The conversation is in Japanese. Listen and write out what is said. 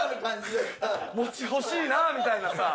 餅欲しいなぁみたいなさ。